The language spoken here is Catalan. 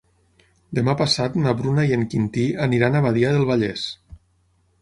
Demà passat na Bruna i en Quintí aniran a Badia del Vallès.